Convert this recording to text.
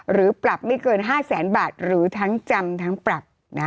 หรือปรับไม่เกิน๕แสนบาทหรือทั้งจำทั้งปรับ